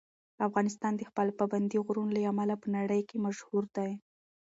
افغانستان د خپلو پابندي غرونو له امله په نړۍ کې مشهور دی.